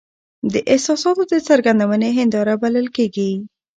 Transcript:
د احساساتو د څرګندوني هنداره بلل کیږي .